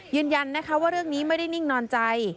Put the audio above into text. ยืนยันนะคะว่าเรื่องนี้ไม่ได้นิ่งนอนใจ